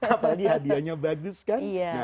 apalagi hadiahnya bagus kan